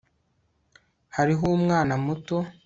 hariho umwana muto